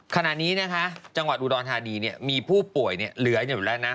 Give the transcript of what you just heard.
ขณะนี้นะคะจังหวัดอุดรธานีมีผู้ป่วยเหลืออยู่แล้วนะ